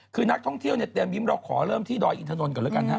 คือนักท่องเที่ยวเนี่ยเตรียมยิ้มเราขอเริ่มที่ดอยอินทนนท์ก่อนแล้วกันฮะ